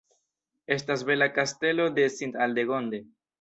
Estas bela kastelo de Sint-Aldegonde.